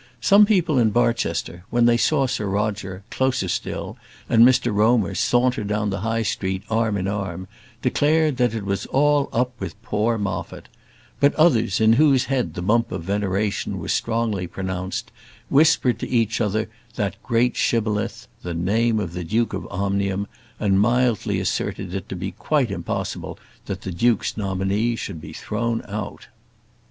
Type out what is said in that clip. Some people in Barchester, when they saw Sir Roger, Closerstil and Mr Romer saunter down the High Street, arm in arm, declared that it was all up with poor Moffat; but others, in whose head the bump of veneration was strongly pronounced, whispered to each other that great shibboleth the name of the Duke of Omnium and mildly asserted it to be impossible that the duke's nominee should be thrown out.